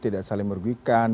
tidak saling merugikan